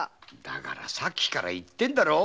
さっきから言ってんだろ！